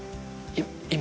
今。